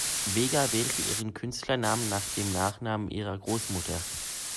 Vega wählte ihren Künstlernamen nach dem Nachnamen ihrer Großmutter.